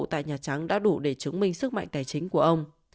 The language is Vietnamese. tại nhà trắng đã đủ để chứng minh sức mạnh tài chính của ông